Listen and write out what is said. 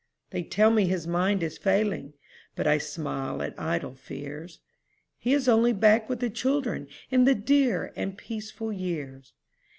They tell me his mind is failing, But I smile at idle fears; He is only back with the children, In the dear and peaceful years.